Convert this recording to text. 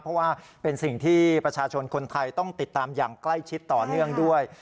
เพราะว่าเป็นสิ่งที่ประชาชนคนไทยต้องติดตามอย่างใกล้ชิดต่อเนื่องด้วย